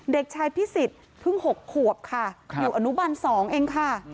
เด็กชายพิสิทธิ์เพิ่ง๖ขวบค่ะอยู่อนุบัน๒เองค่ะ